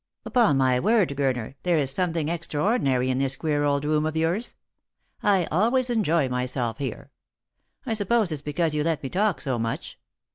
" Upon my word, Gurner, there is something extraordinary in this queer old room of yours. I always enjoy myself here ; I suppose it's because you let me talk so much.